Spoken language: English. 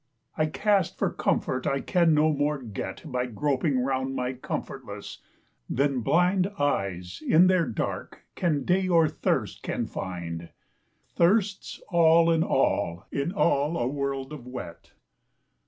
I cast for comfort I can no more get By groping round my comfortless, than blind Eyes in their dark can day or thirst can find Thirst *s all in all in all a world of wet.